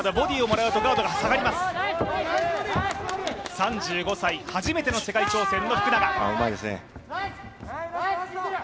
３５歳、初めての世界挑戦の福永。